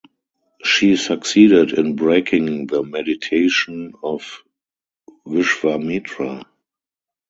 She succeeded in breaking the meditation of Vishwamitra.